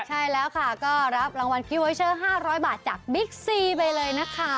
ใช่แล้วค่ะก็รับรางวัลพี่เวเชอร์๕๐๐บาทจากบิ๊กซีไปเลยนะคะ